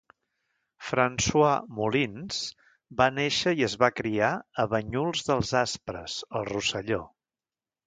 François Molins va néixer i es va criar a Banyuls dels Aspres al Rosselló.